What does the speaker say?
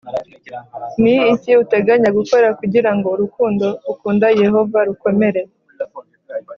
Ni iki uteganya gukora kugira ngo urukundo ukunda Yehova rukomere